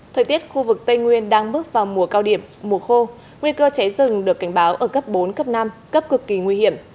thời tiết khu vực tây nguyên đang bước vào mùa cao điểm mùa khô nguy cơ cháy rừng được cảnh báo ở cấp bốn cấp năm cấp cực kỳ nguy hiểm